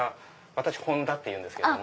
私本多っていうんですけども。